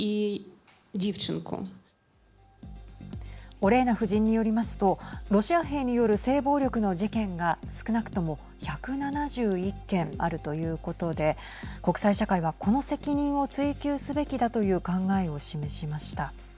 オレーナ夫人によりますとロシア兵による性暴力の事件が少なくとも１７１件あるということで国際社会はこの責任を追及すべきだという考えを示しました。